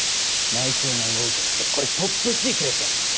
内調が動いてるってこれトップシークレットなんで。